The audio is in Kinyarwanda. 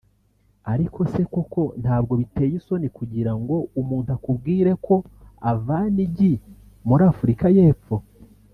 ariko se koko ntabwo biteye isoni kugira ngo umuntu akubwire ko avana igi muri Afurika y’Epfo